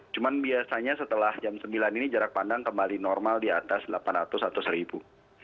cuman biasanya setelah jam sembilan ini jarak pandang kembali normal di atas delapan ratus atau seribu